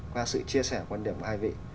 qua sự chia sẻ quan điểm của hai vị